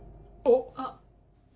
あっ。